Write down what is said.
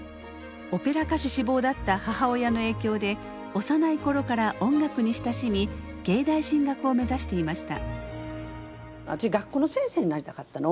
オペラ歌手志望だった母親の影響で幼い頃から音楽に親しみ芸大進学を目指していました。